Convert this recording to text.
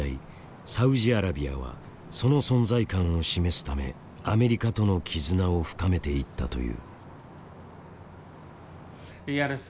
サウジアラビアはその存在感を示すためアメリカとの絆を深めていったという。